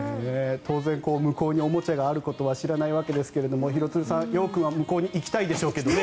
当然、向こうにおもちゃがあることは知らないわけですが廣津留さん、陽君は向こうに行きたいでしょうけどね。